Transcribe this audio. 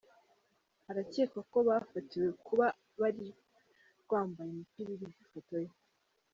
Arakekwa ko bafatiwe kuba bari rwambaye imipira iriho ifoto ye.